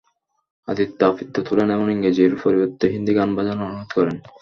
আদিত্য আপত্তি তোলেন এবং ইংরেজির পরিবর্তে হিন্দি গান বাজানোর অনুরোধ করেন।